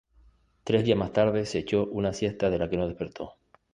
Tres días más tarde se echó una siesta de la que no despertó.